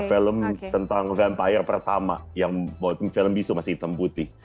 film tentang vampire pertama yang film bisu masih hitam putih